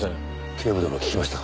警部殿聞きましたか？